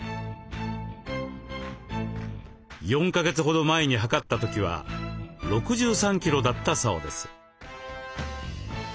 ４か月ほど前に量った時は６３キロだったそうです。